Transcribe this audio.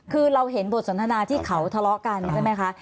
คือเราเห็นบทสนทนาที่เขาทะเลาะกันใช่ไหมคะ